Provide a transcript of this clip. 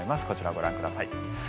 こちらをご覧ください。